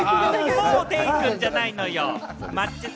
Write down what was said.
もうデイくん、じゃないのよ！